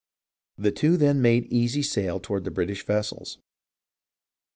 The two then made easy sail toward the British vessels.